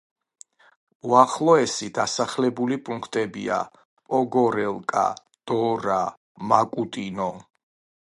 უახლოესი დასახლებული პუნქტებია: პოგორელკა, დორა, მაკუტინო.